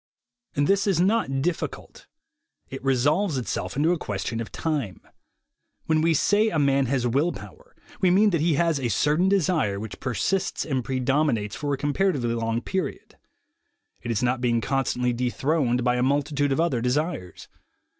This is not difficult. It resolves itself into a question of time. When we say a man has will power, we mean that he has a certain desire which persists and predominates for a comparatively long period. It is not being constantly dethroned by a multitude of other desires.